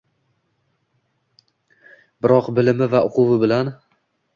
Biroq bilimi va uquvi bilan